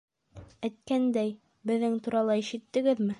Әйткәндәй, беҙҙең турала ишеттегеҙме?